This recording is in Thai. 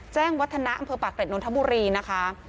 แจ้งวัฒนาอำเภอป่าเกรดนทบุรีนะคะ